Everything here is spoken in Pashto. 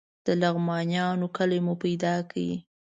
د لغمانیانو کلی مو پیدا کړ.